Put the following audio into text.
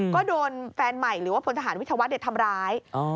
ก็โดนแฟนใหม่หรือว่าพลทหารวิทยาวัฒน์ทำร้าย